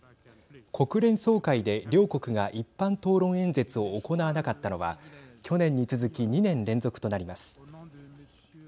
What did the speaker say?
国連総会で両国が一般討論演説を行わなかったのは去年に続き２年連続となります。